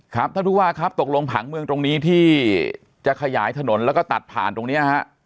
ท่านผู้ว่าครับตกลงผังเมืองตรงนี้ที่จะขยายถนนแล้วก็ตัดผ่านตรงนี้ฮะ